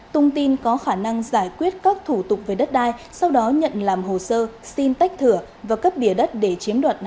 tung tin có khả năng giải quyết các thủ tục về đất đai sau đó nhận làm hồ sơ xin tách thửa và cấp bìa đất để chiếm đoạt